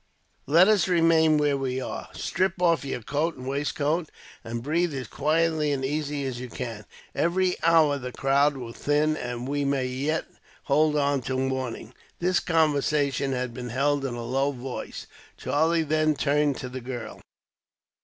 "Let us remain where we are. Strip off your coat and waistcoat, and breathe as quietly and easily as you can. Every hour the crowd will thin, and we may yet hold on till morning." This conversation had been held in a low voice. Charlie then turned to the girl.